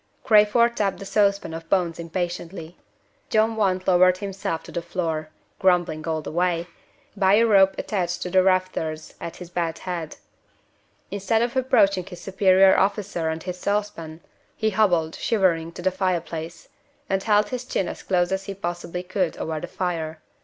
Crayford tapped the saucepan of bones impatiently. John Want lowered himself to the floor grumbling all the way by a rope attached to the rafters at his bed head. Instead of approaching his superior officer and his saucepan, he hobbled, shivering, to the fire place, and held his chin as close as he possibly could over the fire.